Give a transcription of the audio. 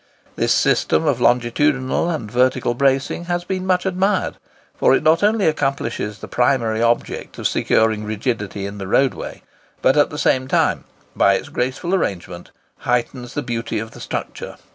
This system of longitudinal and vertical bracing has been much admired, for it not only accomplishes the primary object of securing rigidity in the roadway, but at the same time, by its graceful arrangement, heightens the beauty of the structure.